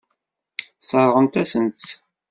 Sseṛɣent-asent-tt.